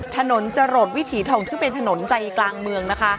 ถนนจรดวิถีทองที่เป็นถนนใจกลางเมืองนะคะ